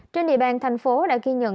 trên địa bàn thành phố đã ghi nhận